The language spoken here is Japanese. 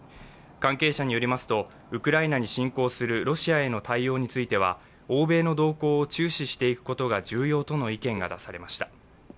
関係者によりますと、ウクライナに侵攻するロシアへの対応については、欧米の動向を注視していくことが重要との意見が出されました。